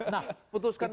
nah putuskan begitu